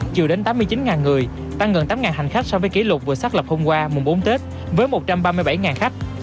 chiều đến tám mươi chín người tăng gần tám hành khách so với kỷ lục vừa xác lập hôm qua mùng bốn tết với một trăm ba mươi bảy khách